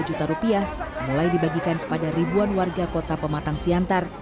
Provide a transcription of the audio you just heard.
dua juta rupiah mulai dibagikan kepada ribuan warga kota pematang siantar